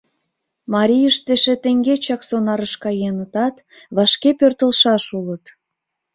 Марийышт эше теҥгечак сонарыш каенытат, вашке пӧртылшаш улыт.